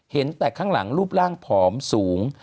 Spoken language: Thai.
เห็นแต่ข้างหลังรูปร่างผอมสูง